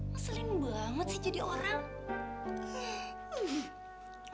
ngeseling banget sih jadi orang